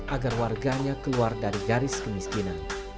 agar warganya keluar dari garis kemiskinan